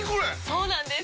そうなんです！